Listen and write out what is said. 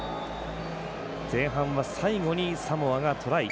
前半は最後にサモアがトライ。